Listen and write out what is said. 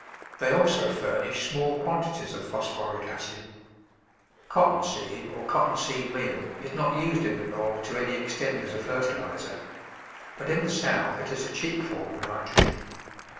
They also furnish small quantities of phosphoric acid. Cotton seed or cotton seed meal is not used in the North to any extent as a fertiliser, but in the South it is a cheap form of nitrogen.